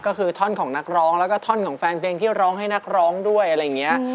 ก็คือท่อนของนักร้องแล้วก็ท่อนของแฟนเพลงที่ร้องให้นักร้องด้วยอะไรอย่างนี้